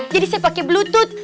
jadi saya pakai bluetooth